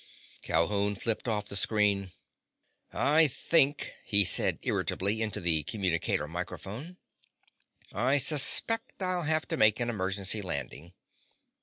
Calhoun flipped off the screen. "I think," he said irritably into the communicator microphone, "I suspect I'll have to make an emergency landing.